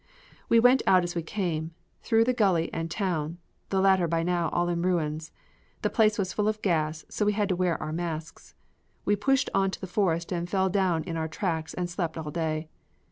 We went out as we came, through the gulley and town, the latter by now all in ruins. The place was full of gas, so we had to wear our masks. We pushed on to the forest and fell down in our tracks and slept all day.